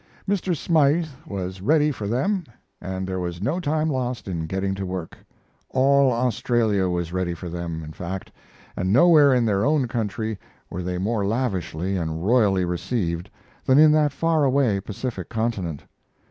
Mr. Smythe was ready for them and there was no time lost in getting to work. All Australia was ready for them, in fact, and nowhere in their own country were they more lavishly and royally received than in that faraway Pacific continent.